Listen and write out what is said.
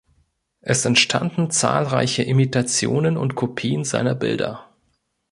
Es entstanden zahlreiche Imitationen und Kopien seiner Bilder.